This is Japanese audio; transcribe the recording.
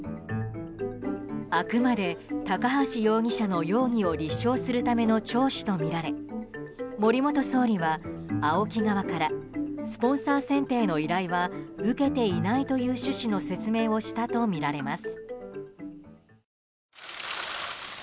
あくまで高橋容疑者の容疑を立証するための聴取とみられ森元総理はＡＯＫＩ側からスポンサー選定の依頼は受けていないという趣旨の説明をしたとみられます。